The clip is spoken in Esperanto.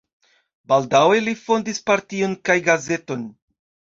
Baldaŭe li fondis partion kaj gazeton.